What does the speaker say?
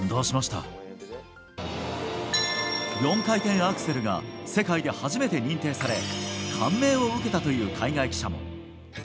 ４回転アクセルが世界で初めて認定され感銘を受けたという海外記者も。